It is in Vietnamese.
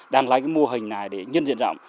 đang lấy cái mô hình này để nhân diện rộng